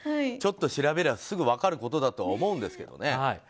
ちょっと調べればすぐ分かることだと思うんですけどね。